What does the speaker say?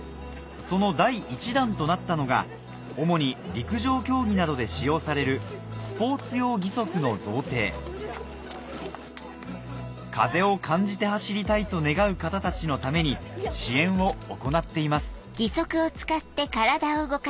その第１弾となったのが主に陸上競技などで使用されるスポーツ用義足の贈呈風を感じて走りたいと願う方たちのために支援を行っています